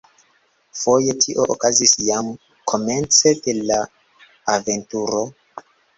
Foje tio okazis jam komence de la aventuro.